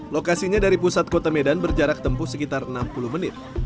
lokasinya dari pusat kota medan berjarak tempuh sekitar enam puluh menit